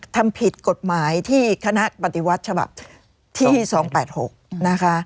ทำผิดกฎหมายที่คณะปฏิวัติฉบับที่๒๘๖นะคะ